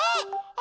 あ。